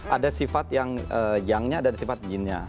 ada sifat yang yangnya dan sifat yinnya